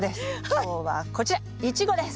今日はこちらイチゴです。